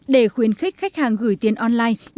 để khuyến khích khách hàng gửi tiền online